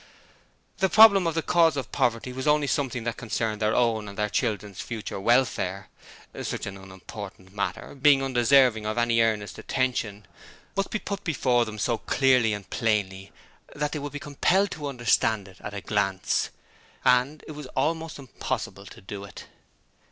The problem of the cause of poverty was only something that concerned their own and their children's future welfare. Such an unimportant matter, being undeserving of any earnest attention, must be put before them so clearly and plainly that they would be compelled to understand it at a glance; and it was almost impossible to do it.